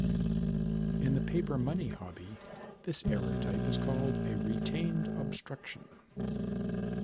In the paper money hobby, this error type is called a retained obstruction.